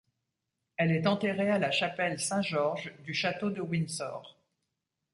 Elle est enterrée à la Chapelle Saint-Georges du château de Windsor.